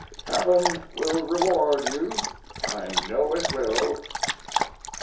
Heaven will reward you, I know it will.